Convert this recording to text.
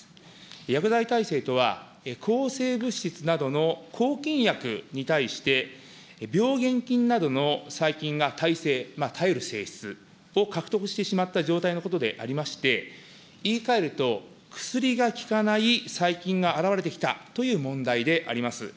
薬剤耐性とは、抗生物質などの抗菌薬に対して、病原菌などの細菌が耐性、耐える性質を獲得してしまった状態のことでありまして、言いかえると、薬が効かない細菌が現れてきたという問題であります。